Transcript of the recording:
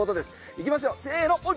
行きますよ、せーの。